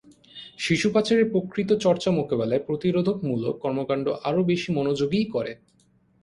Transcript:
শিশু পাচারের প্রকৃত চর্চা মোকাবেলায় প্রতিরোধমূলক কর্মকাণ্ড আরো বেশি মনোযোগী করে।